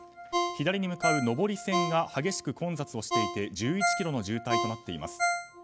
左に向かう上り線が激しく混雑をしていて１１ｋｍの渋滞となっています。